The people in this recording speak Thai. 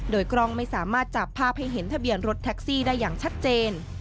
โดยกล้องไม่สามารถจับภาพให้เห็นทะเบียนรถแท็กซี่ได้อย่างชัดเจน